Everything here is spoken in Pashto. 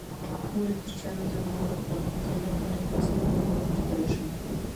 مورې کوچيانو ته مې ورکړه کنډک کنډک مستې به خورم غټه به شمه